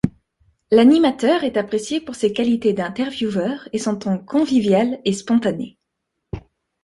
L'animateur est apprécié pour ses qualités d'intervieweur, et son ton convivial et spontané.